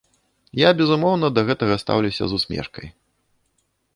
Я, безумоўна, да гэтага стаўлюся з усмешкай.